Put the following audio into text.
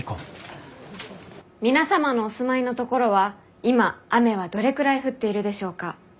皆様のお住まいの所は今雨はどれくらい降っているでしょうか？